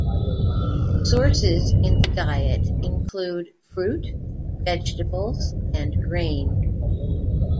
Sources in the diet include fruit, vegetables, and grain.